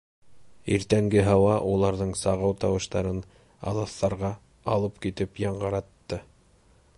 Иртәнге һауа уларҙың сағыу тауыштарын алыҫтарға алып китеп яңғыратты.